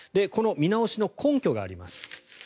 この見直しの根拠があります。